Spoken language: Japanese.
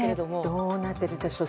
どうなっているでしょう